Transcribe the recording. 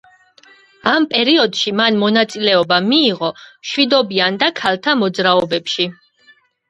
ამ პერიოდში მან მონაწილეობა მიიღო მშვიდობიან და ქალთა მოძრაობებში.